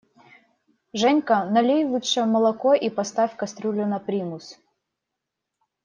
Женька, налей лучше молоко и поставь кастрюлю на примус!